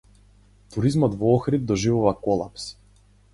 Туризмот во Охрид доживува колапс.